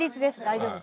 大丈夫。